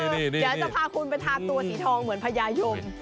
เดี๋ยวจะพาคุณไปทาตัวสีทองเหมือนพญายม